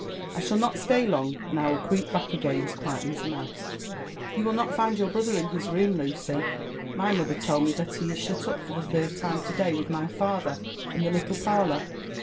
I shall not stay long, and I will creep back again as quietly as a mouse." You will not find your brother in his room, Lucy ; my mother lold me that he is shut up for the third time to day with my father in the little parlour.